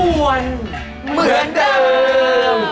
มันกวนเหมือนเดิม